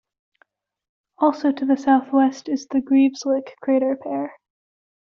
Also to the southwest is the Greaves-Lick crater pair.